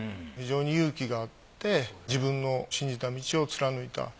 非常に勇気があって自分の信じた道を貫いた。